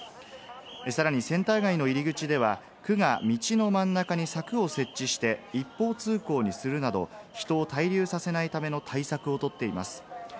さらにセンター街の入り口では、区が道の真ん中に柵を設置して一方通行にするなど、人を滞留させないための対策をとっています。